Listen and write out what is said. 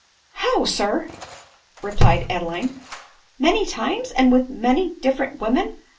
" How, Sir !" replied Adeline ;" many times ? and with many different women